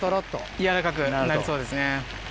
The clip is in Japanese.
柔らかくなりそうですね。